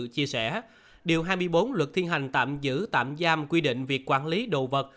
chia sẻ điều hai mươi bốn luật thi hành tạm giữ tạm giam quy định về quản lý đồ vật